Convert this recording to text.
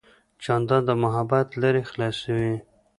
جانداد د محبت لارې خلاصوي.